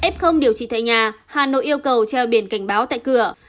f điều trị tại nhà hà nội yêu cầu treo biển cảnh báo tại cửa